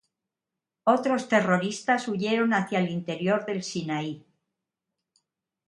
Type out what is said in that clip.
Otros terroristas huyeron hacia el interior del Sinaí.